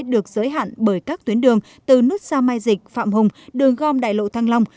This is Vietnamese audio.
được giới hạn bởi các tuyến đường từ nút sao mai dịch phạm hùng đường gom đại lộ thăng long